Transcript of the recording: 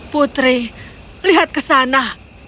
putri lihat ke sana